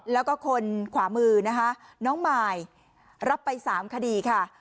แล้วก็คนขวามือนะคะน้องมายรับไป๓คดีค่ะ